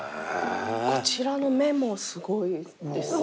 こちらの目もすごいですよね。